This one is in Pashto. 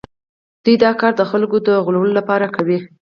دوی دا کار د خلکو د غولولو لپاره کوي